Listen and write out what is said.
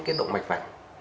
cái động mạch mạch